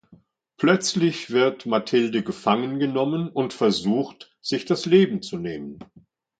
Plötzlich wird Matilde gefangen genommen und versucht, sich das Leben zu nehmen.